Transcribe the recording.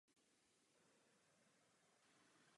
Začal jako malíř lékařských preparátů.